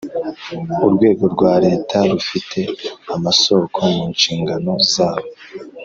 urwego rwa Leta rufite amasoko mu nshingano zabo